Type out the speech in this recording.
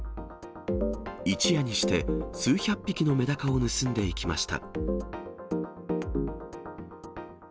一夜にして数百匹のめだかを盗んでいきました。